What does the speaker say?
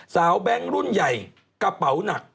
แบงค์รุ่นใหญ่กระเป๋าหนัก